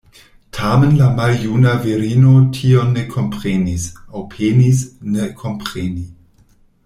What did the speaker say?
Tamen la maljuna virino tion ne komprenis, aŭ penis ne kompreni.